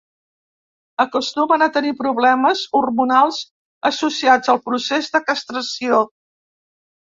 Acostumen a tenir problemes hormonals associats al procés de castració.